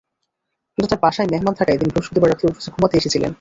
কিন্তু তাঁর বাসায় মেহমান থাকায় তিনি বৃহস্পতিবার রাতে অফিসে ঘুমাতে এসেছিলেন।